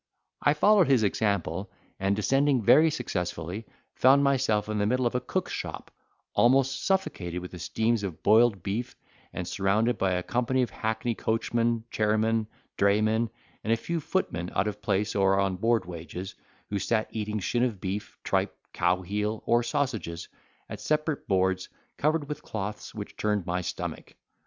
I followed his example, and descending very successfully, found myself in the middle of a cook's shop, almost suffocated with the steams of boiled beef, and surrounded by a company of hackney coachmen, chairmen, draymen, and a few footmen out of place or on board wages; who sat eating shin of beef, tripe, cow heel, or sausages, at separate boards, covered with cloths which turned my stomach.